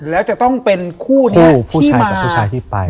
แล้วจะต้องเป็นคู่เดียวผู้ชายกับผู้ชายที่ไป